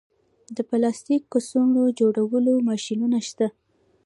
د پلاستیک کڅوړو جوړولو ماشینونه شته